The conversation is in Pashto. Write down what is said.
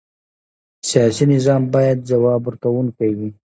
سیاسي نظام باید ځواب ورکوونکی وي